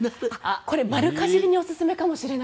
これ、丸かじりにおすすめかもしれない。